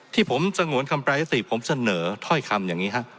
ที่ผมสงวนคำแปรยติผมเสนอถ้อยคำอย่างนี้ฮะ